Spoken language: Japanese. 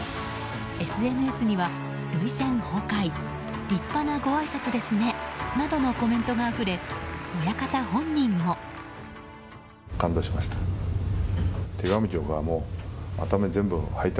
ＳＮＳには、涙腺崩壊立派なごあいさつですねなどのコメントがあふれ親方本人も。